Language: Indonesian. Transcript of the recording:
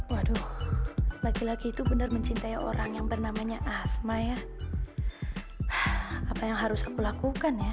waduh laki laki itu benar mencintai orang yang bernamanya asma ya apa yang harus aku lakukan ya